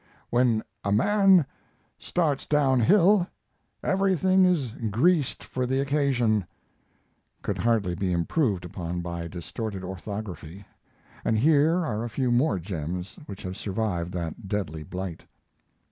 "When a man starts down hill everything is greased for the occasion," could hardly be improved upon by distorted orthography, and here are a few more gems which have survived that deadly blight.